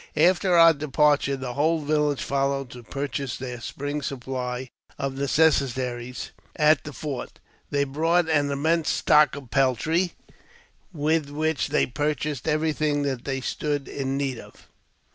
After our departure, the whole village followed to purchase their spring supply of I necessaries at the fort. They brought an immense stock of peltry, with which they purchased everything that they stood in need of.